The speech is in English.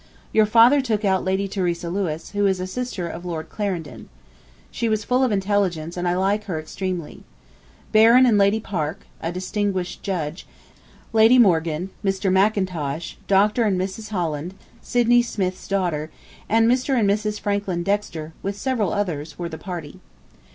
Your father took out Lady Theresa Lewis, who is a sister of Lord Clarendon. She was full of intelligence and I like her extremely. Baron and Lady Parke (a distinguished judge), Lady Morgan, Mr. Mackintosh, Dr. and Mrs. Holland (Sidney Smith's daughter), and Mr. and Mrs. Franklin Dexter, with several others were the party.